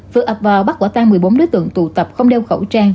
vừa ập vào bắt quả tan một mươi bốn đối tượng tụ tập không đeo khẩu trang